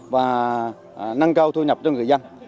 và nâng cao thu nhập cho người dân